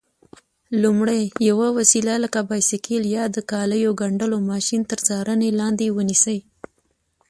لومړی: یوه وسیله لکه بایسکل یا د کالیو ګنډلو ماشین تر څارنې لاندې ونیسئ.